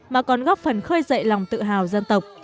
mà còn góp phần khơi dậy lòng tự hào dân tộc